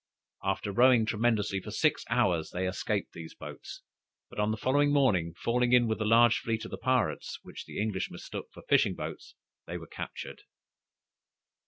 After rowing tremendously for six hours they escaped these boats, but on the following morning falling in with a large fleet of the pirates, which the English mistook for fishing boats, they were captured.